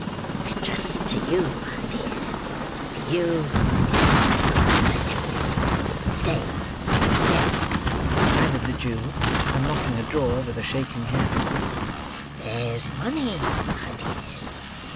I trust to you, my dear,—to you and the Artful for everything! Stay, stay," added the Jew, unlocking a drawer with a shaking hand; "there's money, my dears.